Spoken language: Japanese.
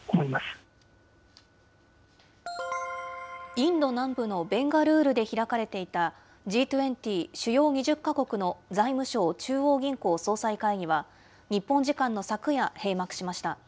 インド南部のベンガルールで開かれていたＧ２０・主要２０か国の財務相・中央銀行総裁会議は日本時間の昨夜、閉幕しました。